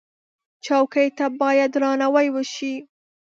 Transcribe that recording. چوکۍ ته باید درناوی وشي.